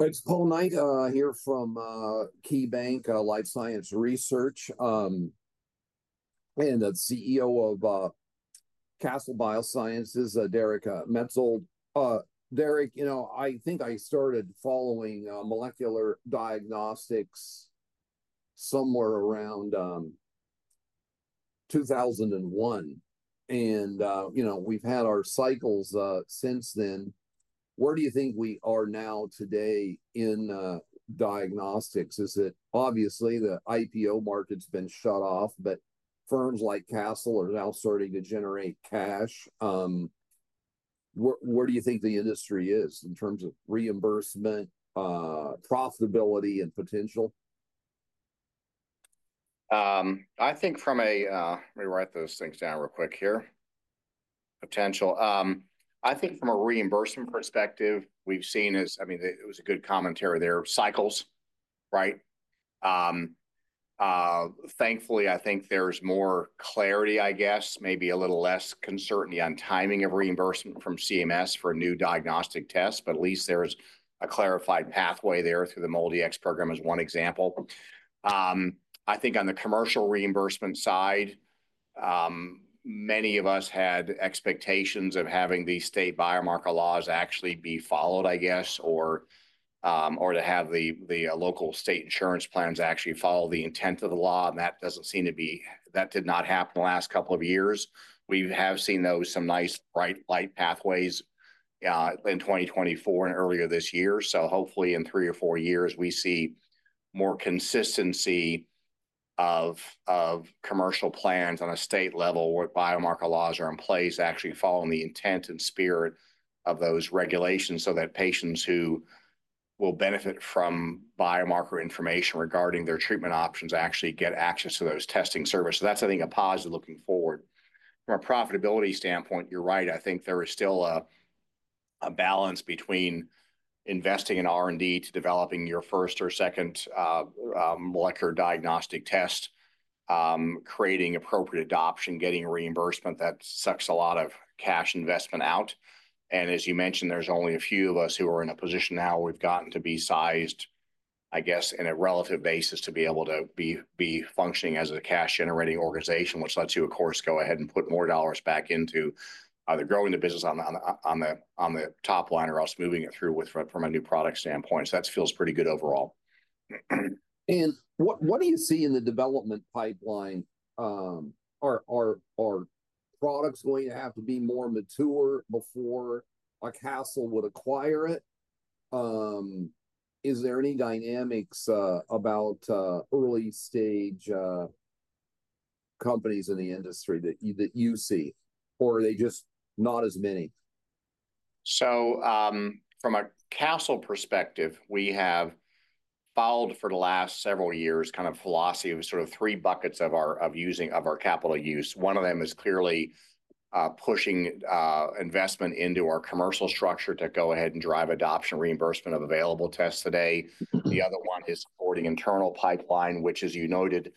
It's Paul Knight here from KeyBanc Life Science Research, and the CEO of Castle Biosciences, Derek Maetzold. Derek, you know, I think I started following molecular diagnostics somewhere around 2001, and you know, we've had our cycles since then. Where do you think we are now today in diagnostics? Is it obviously the IPO market's been shut off, but firms like Castle are now starting to rate cash? Where do you think the industry is in terms of reimbursement, profitability, and potential? I think from a—let me write those things down real quick here—potential. I think from a reimbursement perspective, what we've seen is, I mean, it was a good commentary there, cycles, right? Thankfully, I think there's more clarity, I guess, maybe a little less uncertainty on timing of reimbursement from CMS for new diagnostic tests, but at least there's a clarified pathway there through the MolDX program as one example. I think on the commercial reimbursement side, many of us had expectations of having the state biomarker laws actually be followed, I guess, or to have the local state insurance plans actually follow the intent of the law, and that doesn't seem to be—that did not happen the last couple of years. We have seen those some nice bright light pathways in 2024 and earlier this year. Hopefully in three or four years, we see more consistency of commercial plans on a state level where biomarker laws are in place actually following the intent and spirit of those regulations so that patients who will benefit from biomarker information regarding their treatment options actually get access to those testing services. I think that's a positive looking forward. From a profitability standpoint, you're right, I think there is still a balance between investing in R&D to developing your first or second molecular diagnostic test, creating appropriate adoption, getting reimbursement—that sucks a lot of cash investment out. As you mentioned, there's only a few of us who are in a position now where we've gotten to be sized, I guess, in a relative basis to be able to be functioning as a cash-generating organization, which lets you, of course, go ahead and put more dollars back into either growing the business on the top line or else moving it through from a new product standpoint. That feels pretty good overall. What do you see in the development pipeline? Are products going to have to be more mature before a Castle would acquire it? Is there any dynamics about early-stage companies in the industry that you see, or are there just not as many? From a Castle perspective, we have followed for the last several years kind of philosophy of sort of three buckets of using of our capital use. One of them is clearly pushing investment into our commercial structure to go ahead and drive adoption reimbursement of available tests today. The other one is supporting internal pipeline, which, as you noted,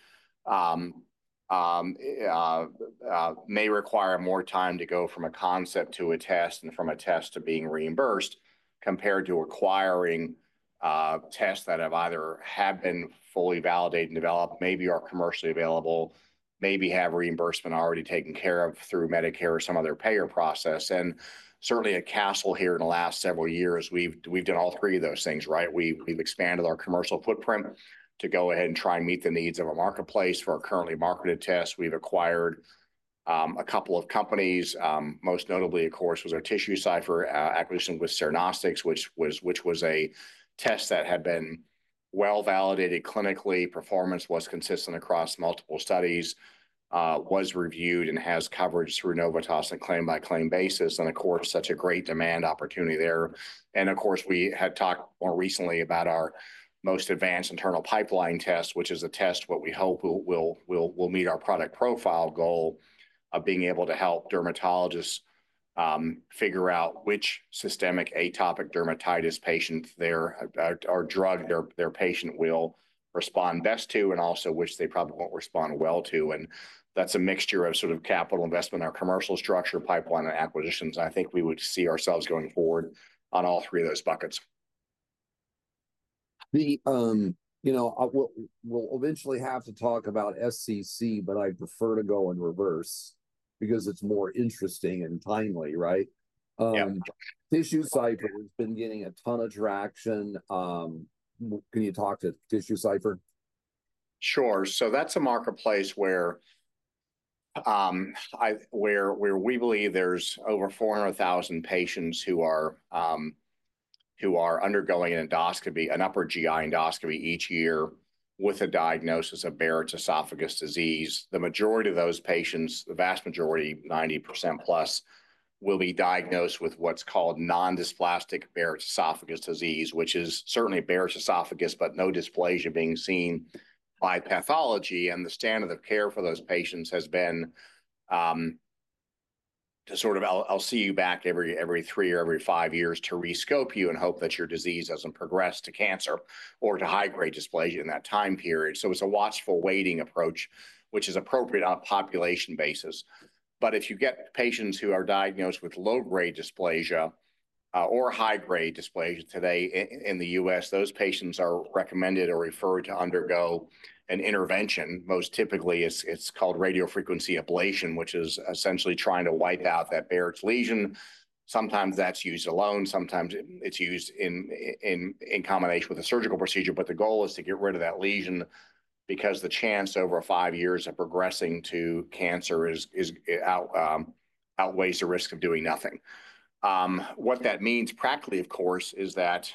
may require more time to go from a concept to a test and from a test to being reimbursed compared to acquiring tests that have either been fully validated and developed, maybe are commercially available, maybe have reimbursement already taken care of through Medicare or some other payer process. Certainly at Castle here in the last several years, we've done all three of those things, right? We've expanded our commercial footprint to go ahead and try and meet the needs of a marketplace for our currently marketed tests. We've acquired a couple of companies, most notably, of course, was our TissueCypher acquisition with Cernostics, which was a test that had been well validated clinically. Performance was consistent across multiple studies, was reviewed, and has coverage through Novitas on a claim-by-claim basis. Of course, such a great demand opportunity there. We had talked more recently about our most advanced internal pipeline test, which is a test what we hope will meet our product profile goal of being able to help dermatologists figure out which systemic atopic dermatitis patients their drug, their patient will respond best to, and also which they probably won't respond well to. That's a mixture of sort of capital investment, our commercial structure, pipeline, and acquisitions. I think we would see ourselves going forward on all three of those buckets. You know, we'll eventually have to talk about SCC, but I'd prefer to go in reverse because it's more interesting and timely, right? TissueCypher has been getting a ton of traction. Can you talk to TissueCypher? Sure. That's a marketplace where we believe there's over 400,000 patients who are undergoing an endoscopy, an upper GI endoscopy each year with a diagnosis of Barrett's esophagus disease. The majority of those patients, the vast majority, 90% plus, will be diagnosed with what's called non-dysplastic Barrett's esophagus disease, which is certainly Barrett's esophagus, but no dysplasia being seen by pathology. The standard of care for those patients has been to sort of, I'll see you back every three or every five years to re-scope you and hope that your disease doesn't progress to cancer or to high-grade dysplasia in that time period. It's a watchful waiting approach, which is appropriate on a population basis. If you get patients who are diagnosed with low-grade dysplasia or high-grade dysplasia today in the US, those patients are recommended or referred to undergo an intervention. Most typically, it's called radiofrequency ablation, which is essentially trying to wipe out that Barrett's lesion. Sometimes that's used alone. Sometimes it's used in combination with a surgical procedure, but the goal is to get rid of that lesion because the chance over five years of progressing to cancer outweighs the risk of doing nothing. What that means practically, of course, is that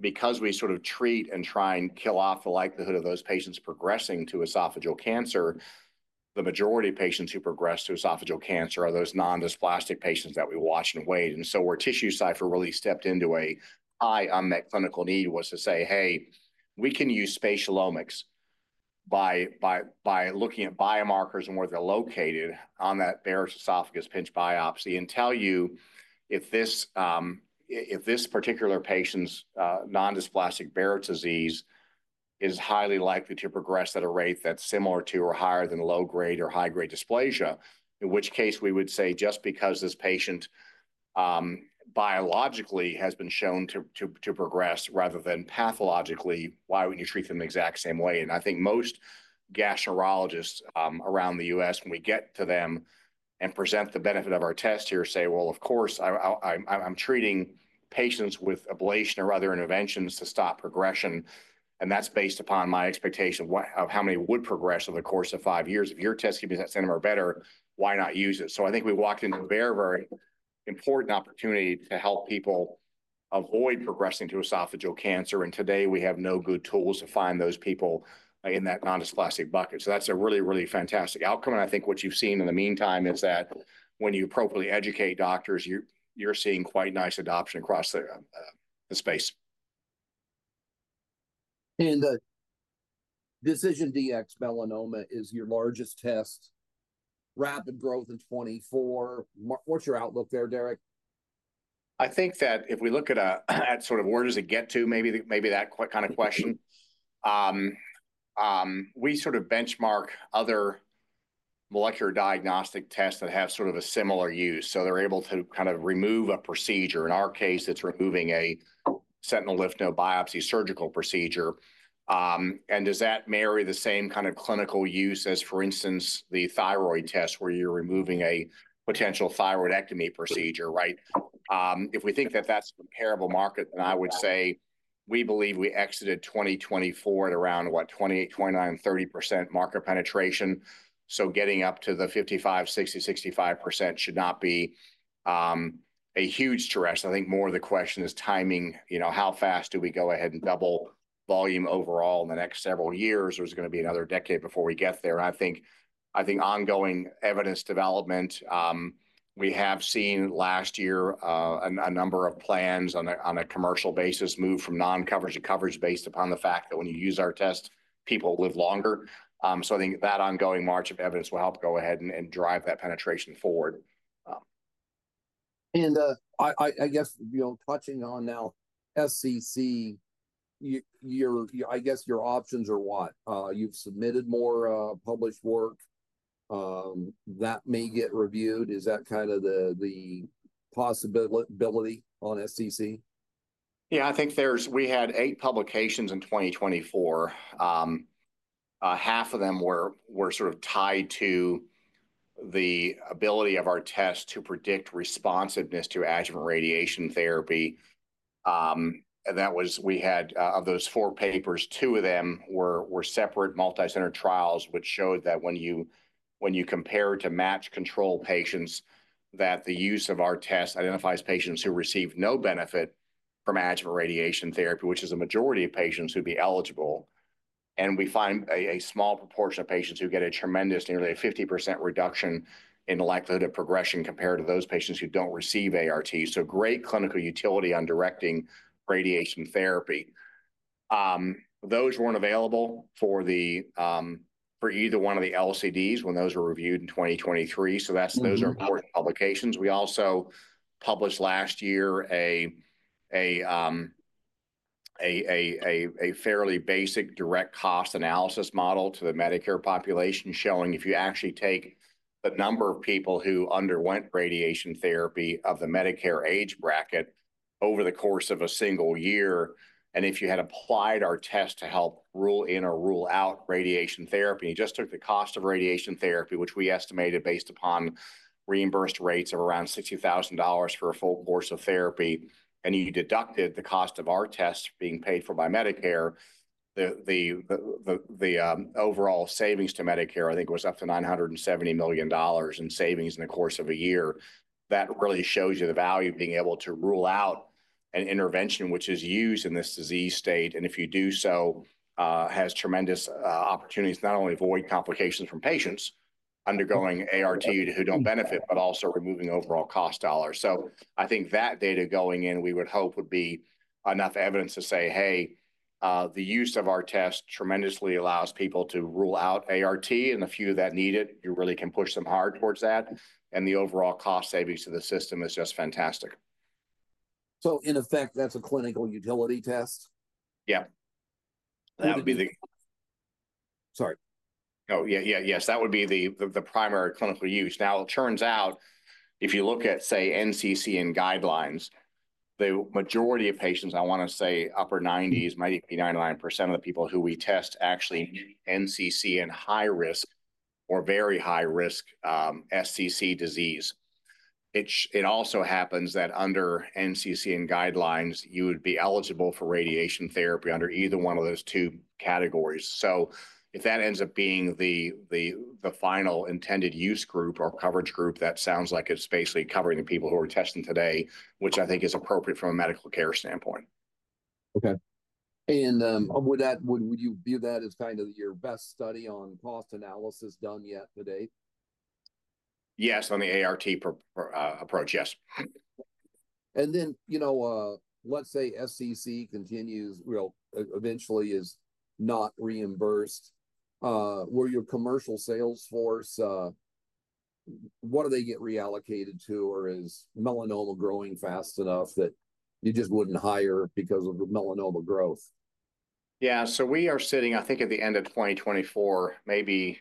because we sort of treat and try and kill off the likelihood of those patients progressing to esophageal cancer, the majority of patients who progress to esophageal cancer are those non-dysplastic patients that we watch and wait. Where TissueCypher really stepped into a high unmet clinical need was to say, "Hey, we can use spatial omics by looking at biomarkers and where they're located on that Barrett's esophagus pinch biopsy and tell you if this particular patient's non-dysplastic Barrett's disease is highly likely to progress at a rate that's similar to or higher than low-grade or high-grade dysplasia, in which case we would say just because this patient biologically has been shown to progress rather than pathologically, why wouldn't you treat them the exact same way?" I think most gastroenterologists around the US, when we get to them and present the benefit of our test here, say, "Well, of course, I'm treating patients with ablation or other interventions to stop progression." That's based upon my expectation of how many would progress over the course of five years. If your test can be that similar or better, why not use it? I think we walked into a very, very important opportunity to help people avoid progressing to esophageal cancer. Today we have no good tools to find those people in that non-dysplastic bucket. That is a really, really fantastic outcome. I think what you've seen in the meantime is that when you appropriately educate doctors, you're seeing quite nice adoption across the space. DecisionDx-Melanoma is your largest test, rapid growth in 2024. What's your outlook there, Derek? I think that if we look at sort of where does it get to, maybe that kind of question, we sort of benchmark other molecular diagnostic tests that have sort of a similar use. They're able to kind of remove a procedure, in our case, that's removing a sentinel lymph node biopsy surgical procedure. Does that marry the same kind of clinical use as, for instance, the thyroid test where you're removing a potential thyroidectomy procedure, right? If we think that that's a comparable market, then I would say we believe we exited 2024 at around, what, 28%, 29%, 30% market penetration. Getting up to the 55%-60%-65% should not be a huge stress. I think more of the question is timing, you know, how fast do we go ahead and double volume overall in the next several years? There's going to be another decade before we get there. I think ongoing evidence development, we have seen last year a number of plans on a commercial basis move from non-coverage to coverage based upon the fact that when you use our test, people live longer. I think that ongoing march of evidence will help go ahead and drive that penetration forward. I guess, you know, touching on now SCC, I guess your options are what? You've submitted more published work that may get reviewed. Is that kind of the possibility on SCC? Yeah, I think there's—we had eight publications in 2024. Half of them were sort of tied to the ability of our test to predict responsiveness to adjuvant radiation therapy. That was—we had, of those four papers, two of them were separate multicenter trials, which showed that when you compare to matched control patients, the use of our test identifies patients who receive no benefit from adjuvant radiation therapy, which is a majority of patients who'd be eligible. We find a small proportion of patients who get a tremendous, nearly a 50% reduction in the likelihood of progression compared to those patients who don't receive ART. Great clinical utility on directing radiation therapy. Those weren't available for either one of the LCDs when those were reviewed in 2023. Those are important publications. We also published last year a fairly basic direct cost analysis model to the Medicare population showing if you actually take the number of people who underwent radiation therapy of the Medicare age bracket over the course of a single year, and if you had applied our test to help rule in or rule out radiation therapy, you just took the cost of radiation therapy, which we estimated based upon reimbursed rates of around $60,000 for a full course of therapy, and you deducted the cost of our test being paid for by Medicare, the overall savings to Medicare, I think it was up to $970 million in savings in the course of a year. That really shows you the value of being able to rule out an intervention which is used in this disease state. If you do so, has tremendous opportunities not only to avoid complications from patients undergoing ART who do not benefit, but also removing overall cost dollars. I think that data going in, we would hope would be enough evidence to say, "Hey, the use of our test tremendously allows people to rule out ART," and the few that need it, you really can push them hard towards that. The overall cost savings to the system is just fantastic. In effect, that's a clinical utility test? Yeah. That would be the—sorry. Oh, yeah, yeah, yes. That would be the primary clinical use. Now, it turns out, if you look at, say, NCCN guidelines, the majority of patients, I want to say upper 90s, might even be 99% of the people who we test actually meet NCCN high-risk or very high-risk SCC disease. It also happens that under NCCN guidelines, you would be eligible for radiation therapy under either one of those two categories. If that ends up being the final intended use group or coverage group, that sounds like it's basically covering the people who are testing today, which I think is appropriate from a medical care standpoint. Okay. Would you view that as kind of your best study on cost analysis done yet to date? Yes, on the ART approach, yes. You know, let's say SCC continues, well, eventually is not reimbursed. Were your commercial sales force, what do they get reallocated to, or is melanoma growing fast enough that you just wouldn't hire because of melanoma growth? Yeah. So we are sitting, I think, at the end of 2024, maybe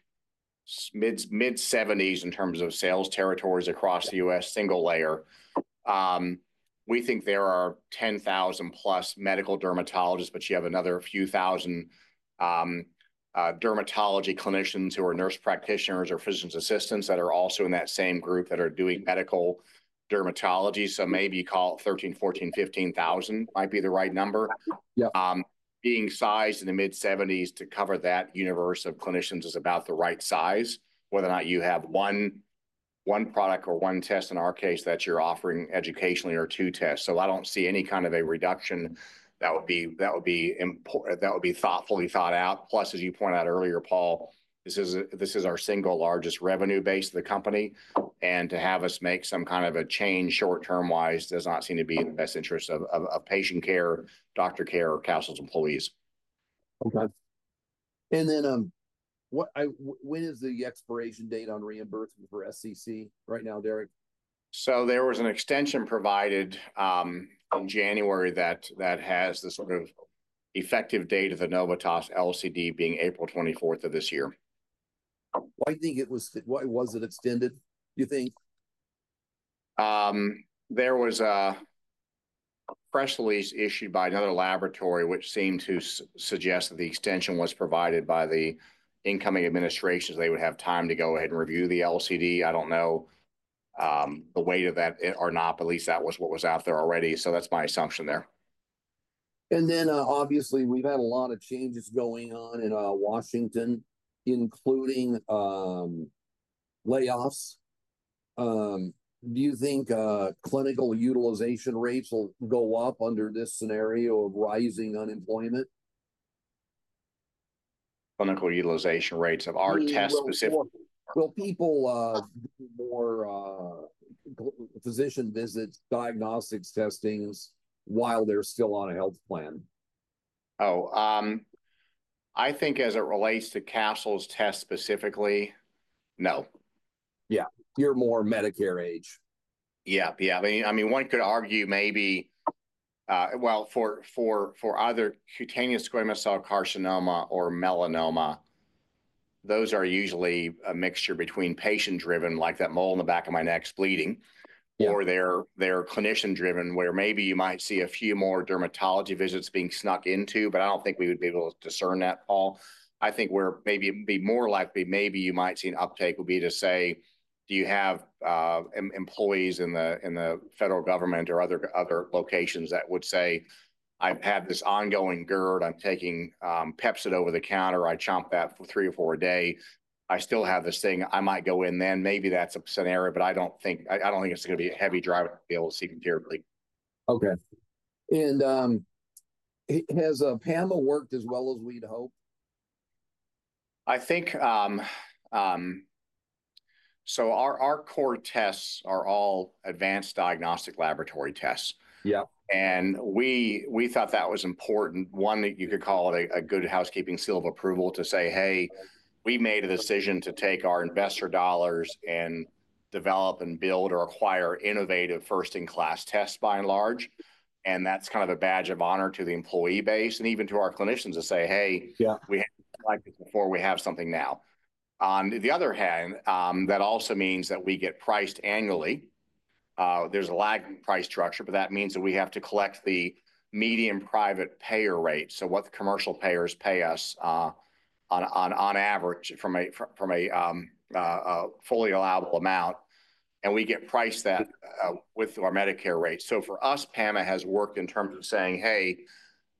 mid-70s in terms of sales territories across the US, single layer. We think there are 10,000 plus medical dermatologists, but you have another few thousand dermatology clinicians who are nurse practitioners or physician's assistants that are also in that same group that are doing medical dermatology. So maybe call it 13, 14, 15,000 might be the right number. Being sized in the mid-70s to cover that universe of clinicians is about the right size, whether or not you have one product or one test in our case that you're offering educationally or two tests. I don't see any kind of a reduction that would be thoughtfully thought out. Plus, as you point out earlier, Paul, this is our single largest revenue base of the company. To have us make some kind of a change short-term-wise does not seem to be in the best interest of patient care, doctor care, or Castle's employees. Okay. When is the expiration date on reimbursement for SCC right now, Derek? There was an extension provided in January that has the sort of effective date of the Novitas LCD being April 24 of this year. Why do you think it was—why was it extended, do you think? There was a press release issued by another laboratory, which seemed to suggest that the extension was provided by the incoming administration, so they would have time to go ahead and review the LCD. I don't know the weight of that or not, but at least that was what was out there already. That's my assumption there. Obviously, we've had a lot of changes going on in Washington, including layoffs. Do you think clinical utilization rates will go up under this scenario of rising unemployment? Clinical utilization rates of our test specifically? Will people do more physician visits, diagnostics, testings while they're still on a health plan? Oh, I think as it relates to Castle's test specifically, no. Yeah. You're more Medicare age. Yeah. Yeah. I mean, one could argue maybe, well, for other cutaneous squamous cell carcinoma or melanoma, those are usually a mixture between patient-driven, like that mole in the back of my neck's bleeding, or they're clinician-driven, where maybe you might see a few more dermatology visits being snuck into, but I don't think we would be able to discern that, Paul. I think where maybe it'd be more likely, maybe you might see an uptake would be to say, "Do you have employees in the federal government or other locations that would say, 'I've had this ongoing GERD. I'm taking Pepcid over the counter. I chomp that for three or four a day. I still have this thing. I might go in then.'" Maybe that's a scenario, but I don't think it's going to be a heavy driver to be able to see them yearly. Okay. Has PAMA worked as well as we'd hope? I think our core tests are all advanced diagnostic laboratory tests. Yap We thought that was important, one that you could call it a good housekeeping seal of approval to say, "Hey, we made a decision to take our investor dollars and develop and build or acquire innovative first-in-class tests by and large." That is kind of a badge of honor to the employee base and even to our clinicians to say, "Hey, we hadn't liked it before. We have something now." On the other hand, that also means that we get priced annually. There is a lagging price structure, but that means that we have to collect the median private payer rate, so what the commercial payers pay us on average from a fully allowable amount, and we get priced that with our Medicare rate. For us, PAMA has worked in terms of saying, "Hey,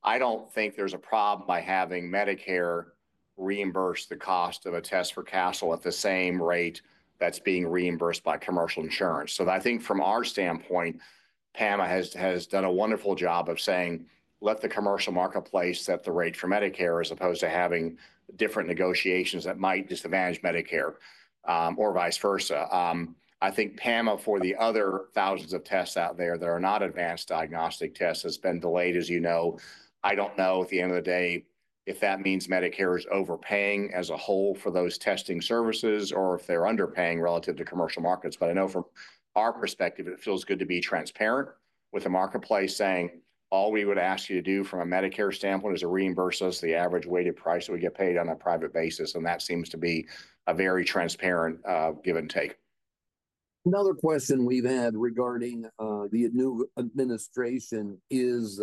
I don't think there's a problem by having Medicare reimburse the cost of a test for Castle at the same rate that's being reimbursed by commercial insurance." I think from our standpoint, PAMA has done a wonderful job of saying, "Let the commercial marketplace set the rate for Medicare as opposed to having different negotiations that might disadvantage Medicare or vice versa." I think PAMA for the other thousands of tests out there that are not advanced diagnostic tests has been delayed, as you know. I don't know at the end of the day if that means Medicare is overpaying as a whole for those testing services or if they're underpaying relative to commercial markets. I know from our perspective, it feels good to be transparent with the marketplace saying, "All we would ask you to do from a Medicare standpoint is to reimburse us the average weighted price that we get paid on a private basis." That seems to be a very transparent give and take. Another question we've had regarding the new administration is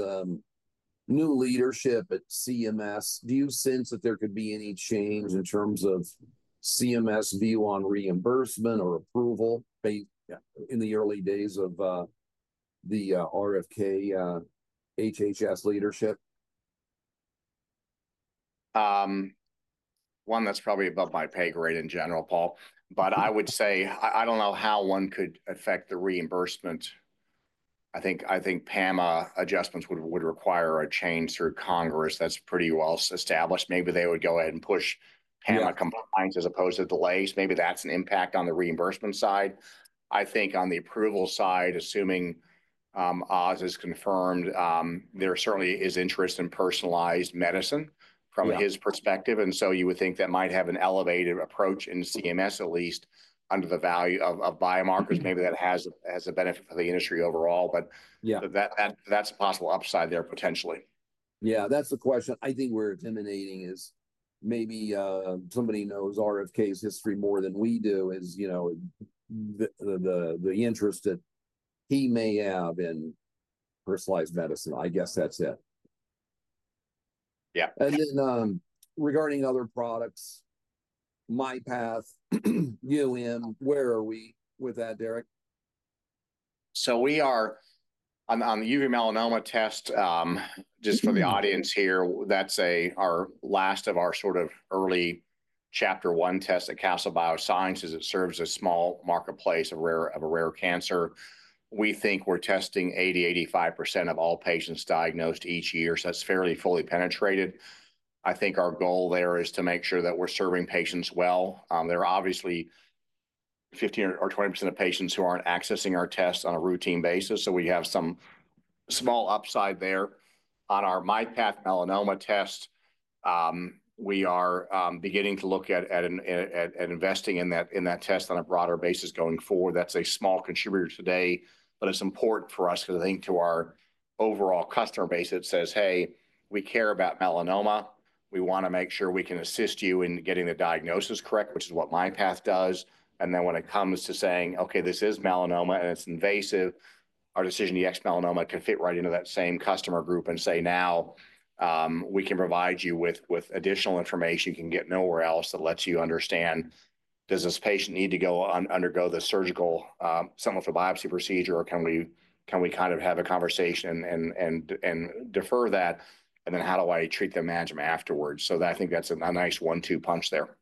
new leadership at CMS. Do you sense that there could be any change in terms of CMS view on reimbursement or approval in the early days of the RFK HHS leadership? One that's probably above my pay grade in general, Paul. I would say I don't know how one could affect the reimbursement. I think PAMA adjustments would require a change through Congress. That's pretty well established. Maybe they would go ahead and push PAMA compliance as opposed to delays. Maybe that's an impact on the reimbursement side. I think on the approval side, assuming Oz is confirmed, there certainly is interest in personalized medicine from his perspective. You would think that might have an elevated approach in CMS, at least under the value of biomarkers. Maybe that has a benefit for the industry overall, but that's a possible upside there potentially. Yeah, that's the question I think we're disseminating is maybe somebody knows RFK's history more than we do, is the interest that he may have in personalized medicine. I guess that's it. Yeah. Regarding other products, MyPath, where are we with that, Derek? We are on the Uveal Melanoma Test, just for the audience here, that's our last of our sort of early chapter one test at Castle Biosciences. It serves a small marketplace of rare cancer. We think we're testing 80-85% of all patients diagnosed each year. That's fairly fully penetrated. I think our goal there is to make sure that we're serving patients well. There are obviously 15-20% of patients who aren't accessing our tests on a routine basis. We have some small upside there. On our MyPath Melanoma test, we are beginning to look at investing in that test on a broader basis going forward. That's a small contributor today, but it's important for us because I think to our overall customer base, it says, "Hey, we care about melanoma. We want to make sure we can assist you in getting the diagnosis correct, which is what MyPath does. And then when it comes to saying, "Okay, this is melanoma and it's invasive," our DecisionDx Melanoma can fit right into that same customer group and say, "Now, we can provide you with additional information you can get nowhere else that lets you understand, does this patient need to undergo the surgical sentinel lymph node biopsy procedure, or can we kind of have a conversation and defer that? And then how do I treat the management afterwards?" I think that's a nice one-two punch there.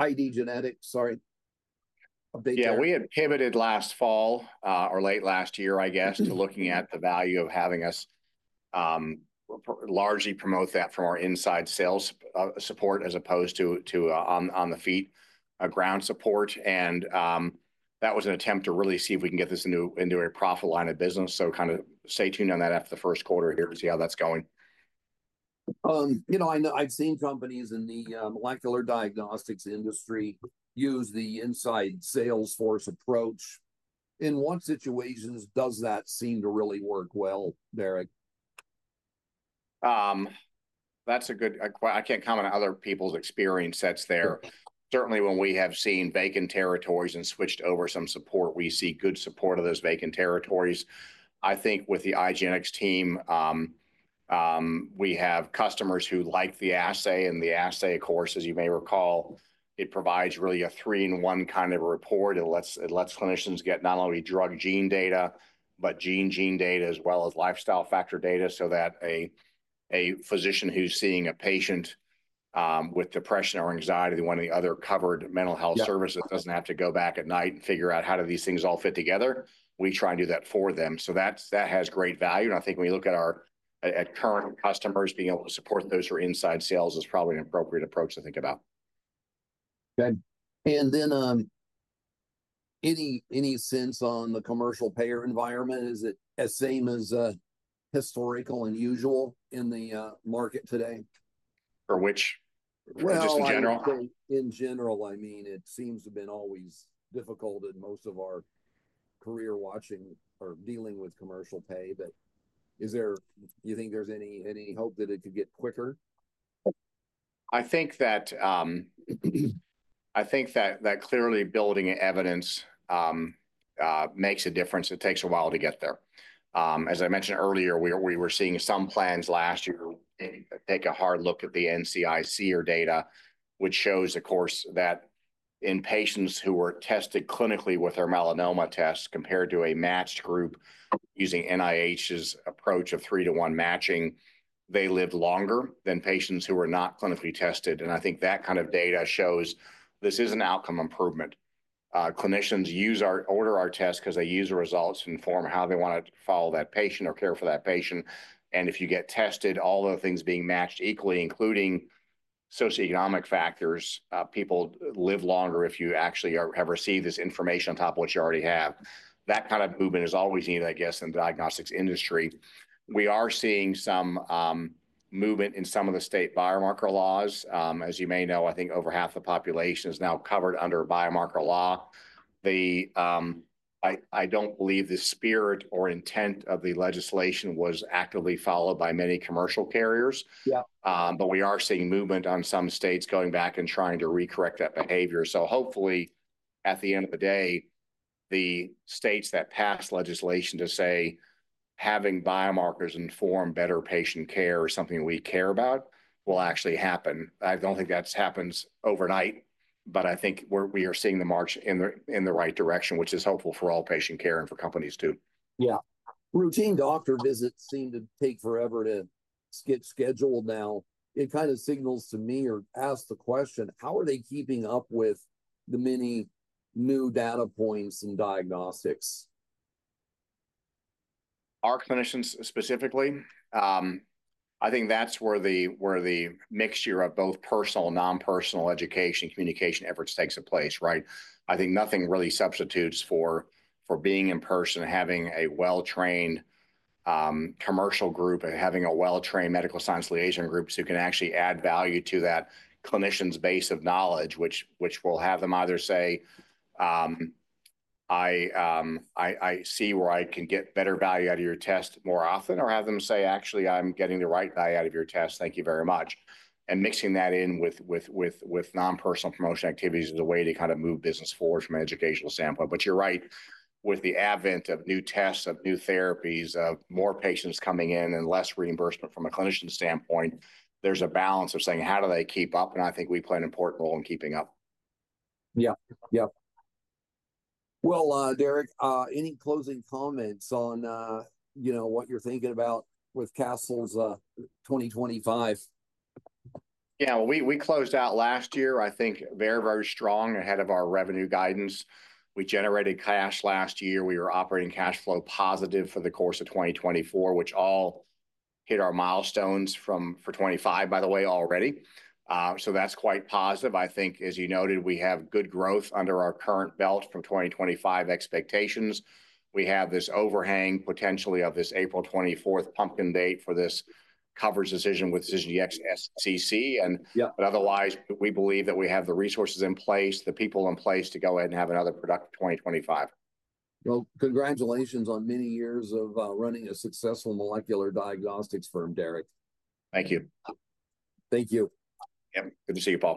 IDgenetix, sorry. Yeah, we had pivoted last fall or late last year, I guess, to looking at the value of having us largely promote that from our inside sales support as opposed to on the feet, ground support. That was an attempt to really see if we can get this into a profit line of business. Kind of stay tuned on that after the first quarter here to see how that's going. You know, I've seen companies in the molecular diagnostics industry use the inside salesforce approach. In what situations does that seem to really work well, Derek? That's a good question. I can't comment on other people's experience sets there. Certainly, when we have seen vacant territories and switched over some support, we see good support of those vacant territories. I think with the IDgenetix team, we have customers who like the assay. And the assay, of course, as you may recall, it provides really a three-in-one kind of report. It lets clinicians get not only drug gene data, but gene-gene data as well as lifestyle factor data so that a physician who's seeing a patient with depression or anxiety, one of the other covered mental health services, doesn't have to go back at night and figure out how do these things all fit together. We try and do that for them. That has great value. I think when you look at our current customers, being able to support those through inside sales is probably an appropriate approach to think about. Good. Any sense on the commercial payer environment? Is it as same as historical and usual in the market today? For which? Just in general? In general, I mean, it seems to have been always difficult in most of our career watching or dealing with commercial pay. Do you think there's any hope that it could get quicker? I think that clearly building evidence makes a difference. It takes a while to get there. As I mentioned earlier, we were seeing some plans last year take a hard look at the NCI's SEER data, which shows, of course, that in patients who were tested clinically with their melanoma test compared to a matched group using NIH's approach of three-to-one matching, they lived longer than patients who were not clinically tested. I think that kind of data shows this is an outcome improvement. Clinicians order our test because they use the results to inform how they want to follow that patient or care for that patient. If you get tested, all the things being matched equally, including socioeconomic factors, people live longer if you actually have received this information on top of what you already have. That kind of movement is always needed, I guess, in the diagnostics industry. We are seeing some movement in some of the state biomarker laws. As you may know, I think over half the population is now covered under biomarker law. I do not believe the spirit or intent of the legislation was actively followed by many commercial carriers. We are seeing movement on some states going back and trying to recorrect that behavior. Hopefully, at the end of the day, the states that passed legislation to say having biomarkers inform better patient care is something we care about will actually happen. I do not think that happens overnight, but I think we are seeing the march in the right direction, which is hopeful for all patient care and for companies too. Yeah. Routine doctor visits seem to take forever to get scheduled now. It kind of signals to me or asks the question, how are they keeping up with the many new data points and diagnostics? Our clinicians specifically, I think that's where the mixture of both personal, non-personal education and communication efforts takes place, right? I think nothing really substitutes for being in person and having a well-trained commercial group and having a well-trained medical science liaison groups who can actually add value to that clinician's base of knowledge, which will have them either say, "I see where I can get better value out of your test more often," or have them say, "Actually, I'm getting the right value out of your test. Thank you very much." Mixing that in with non-personal promotion activities is a way to kind of move business forward from an educational standpoint. You're right, with the advent of new tests, of new therapies, of more patients coming in and less reimbursement from a clinician standpoint, there's a balance of saying, how do they keep up? I think we play an important role in keeping up. Yeah. Yeah. Derek, any closing comments on what you're thinking about with Castle's 2025? Yeah. We closed out last year, I think, very, very strong ahead of our revenue guidance. We generated cash last year. We were operating cash flow positive for the course of 2024, which all hit our milestones for 2025, by the way, already. That is quite positive. I think, as you noted, we have good growth under our current belt from 2025 expectations. We have this overhang potentially of this April 24th pumpkin date for this coverage decision with DecisionDx-SCC. Otherwise, we believe that we have the resources in place, the people in place to go ahead and have another productive 2025. Congratulations on many years of running a successful molecular diagnostics firm, Derek. Thank you. Thank you. Yeah. Good to see you, Paul.